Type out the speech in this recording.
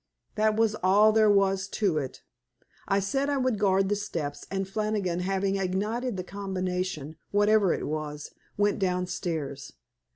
That was all there was to it. I said I would guard the steps, and Flannigan, having ignited the combination, whatever it was, went downstairs.